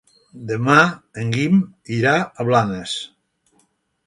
Demà en Guim irà a Blanes.